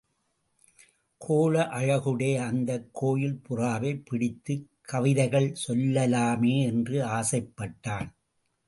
கோல அழகுடைய அந்தக் கோயில் புறாவைப் பிடித்துக் கவிதைகள் சொல்லலாமே என்று ஆசைப்பட்டான்.